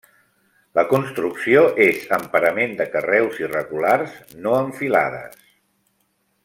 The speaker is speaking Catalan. La construcció és amb parament de carreus irregulars, no en filades.